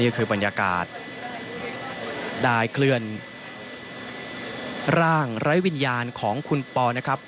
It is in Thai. ก็คือบรรยากาศได้เคลื่อนร่างไร้วิญญาณของคุณปอนะครับ